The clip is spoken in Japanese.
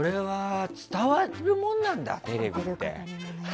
伝わるもんなんだテレビって。